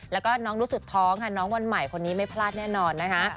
แล้วก็น้องรู้สึกท้องค่ะน้องวันใหม่คนนี้ไม่พลาดแน่นอนนะคะ